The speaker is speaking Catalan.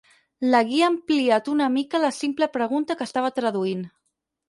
La guia ha ampliat una mica la simple pregunta que estava traduint.